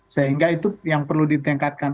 sehingga itu yang perlu ditingkatkan